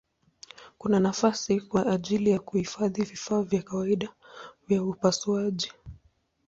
Kuna nafasi kwa ajili ya kuhifadhi vifaa vya kawaida vya upasuaji.